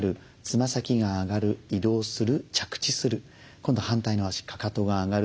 今度反対の足かかとが上がる。